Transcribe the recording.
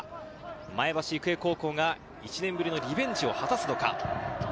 前橋育英高校が１年ぶりのリベンジを果たすのか。